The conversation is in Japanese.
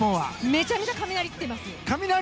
めちゃめちゃ雷ってます。